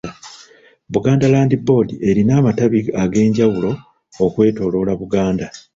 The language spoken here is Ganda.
Buganda Land Board erina amatabi ag'enjawulo okwetooloola Buganda.